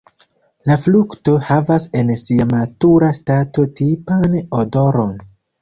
La frukto havas en sia matura stato tipan odoron.